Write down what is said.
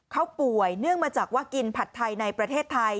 เขาป่วยเนื่องมาจากว่ากินผัดไทยในประเทศไทย